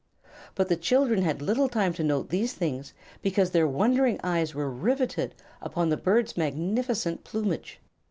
But the children had little time to note these things because their wondering eyes were riveted upon the bird's magnificent plumage.